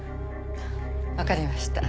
わかりました。